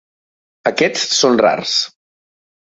Aquests són rars.